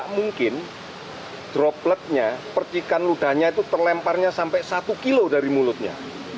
mungkin dropletnya percikan ludahnya itu terlemparnya sampai satu kilo dari mulutnya